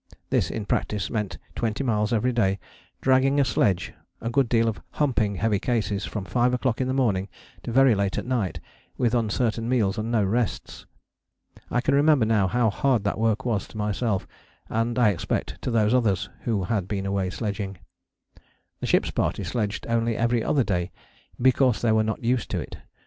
This in practice meant twenty miles every day dragging a sledge; a good deal of 'humping' heavy cases, from five o'clock in the morning to very late at night; with uncertain meals and no rests. I can remember now how hard that work was to myself and, I expect, to those others who had been away sledging. The ship's party sledged only every other day "because they were not used to it."